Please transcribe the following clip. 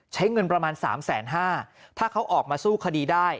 ใช้เงินประมาณ๓๕๐๐บาทถ้าเขาออกมาสู้คดีได้